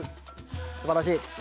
すばらしい。